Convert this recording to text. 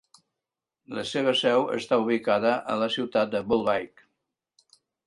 La seva seu està ubicada a la ciutat de Bollebygd.